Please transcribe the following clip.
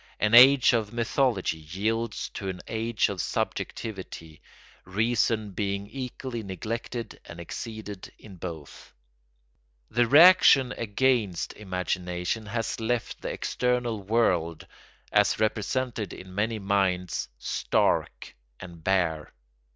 An age of mythology yields to an age of subjectivity; reason being equally neglected and exceeded in both. The reaction against imagination has left the external world, as represented in many minds, stark and bare.